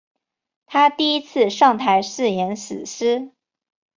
她第一次上台是演死尸。